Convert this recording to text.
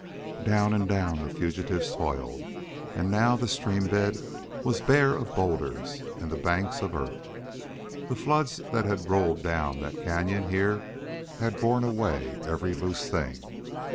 Down and down the fugitives toiled. And now the stream bed was bare of boulders, and the banks of earth. The floods that had rolled down that cañon had here borne away every loose thing.